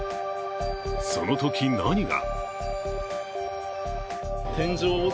そのときなにが。